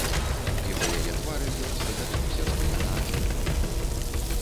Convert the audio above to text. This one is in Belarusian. І па яе твары ён здагадаўся, што яна ачуньвае.